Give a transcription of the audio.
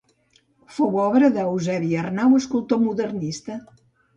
Fou obra d'Eusebi Arnau, escultor modernista.